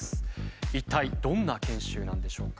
一体どんな研修なんでしょうか？